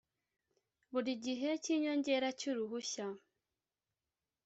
Buri gihe cy inyongera cy uruhushya